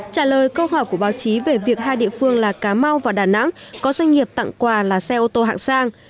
trả lời câu hỏi của báo chí về việc hai địa phương là cà mau và đà nẵng có doanh nghiệp tặng quà là xe ô tô hạng sang